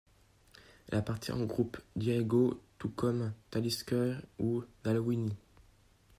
Elle appartient au groupe Diageo, tout comme Talisker ou Dalwhinnie.